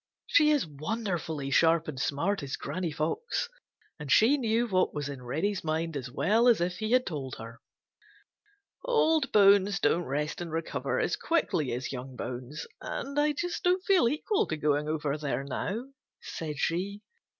She is wonderfully sharp and smart, is Granny Fox, and she knew what was in Reddy's mind as well as if he had told her. "Old bones don't rest and recover as quickly as young bones, and I just don't feel equal to going over there now," said she.